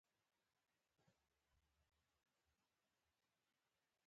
د شريف هم ټټر وپړسېد.